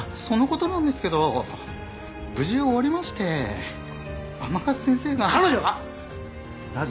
そのことなんですけど無事終わりまして甘春先生が。